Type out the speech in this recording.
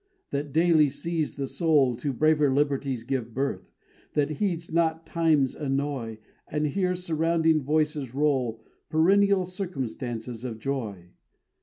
That daily sees the soul To braver liberties give birth, That heeds not time's annoy, And hears surrounding voices roll Perennial circumstance of joy.